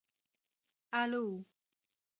الو 🦉